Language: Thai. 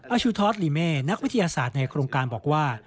ชูทอสลิเมนักวิทยาศาสตร์ในโครงการบอกว่า